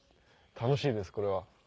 楽しいですこれは。